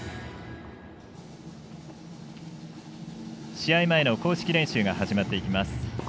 試合前の公式練習が始まっていきます。